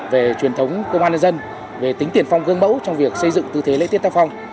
về truyền thống công an nhân dân về tính tiền phong gương mẫu trong việc xây dựng tư thế lễ tiết tác phong